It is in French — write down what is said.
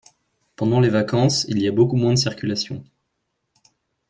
Pendant les vacances, il y a beaucoup moins de circulation.